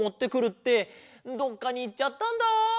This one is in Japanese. ってどっかにいっちゃったんだ。